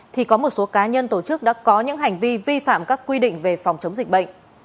thì có một số cá nhân tổ chức đã có những hành vi vi phạm các quy định về phòng chống dịch bệnh